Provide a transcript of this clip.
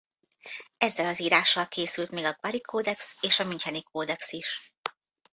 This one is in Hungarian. Ezzel az írással készült még a Guary-kódex és a Müncheni kódex is.